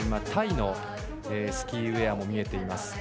タイのスキーウェアも見えます。